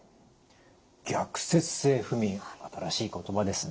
逆説性不眠新しい言葉ですね。